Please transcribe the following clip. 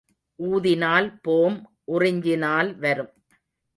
ஊதினால் போம் உறிஞ்சினால் வரும்.